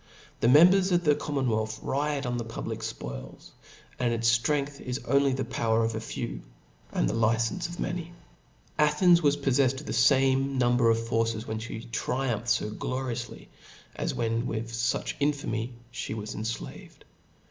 The members of the commonwealth, riot on the public fpoils, and its ftrcngth is only the power of a fewj and the li centioufnefs of many. Athens was poffefled of the fame humber of forces^ when (he triumphed fo glorioufly, and when withfo much infamy (he was enflaved.